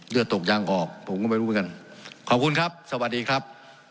เลือดตกยางออกผมก็ไม่รู้เหมือนกันขอบคุณครับสวัสดีครับ